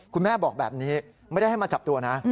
คุณแม่บอกแบบนี้ไม่ได้ให้มาจับตัวนะ